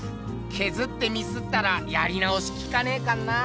削ってミスったらやり直しきかねえかんなあ。